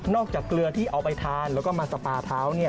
จากเกลือที่เอาไปทานแล้วก็มาสปาเท้า